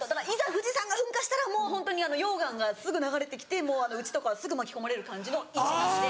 富士山が噴火したらもうホントに溶岩がすぐ流れてきてもううちとかはすぐ巻き込まれる感じの位置なんで。